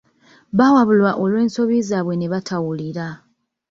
Bawabulwa olw'ensobi zaabwe ne batawulira.